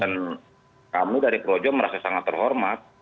dan kami dari projo merasa sangat terhormat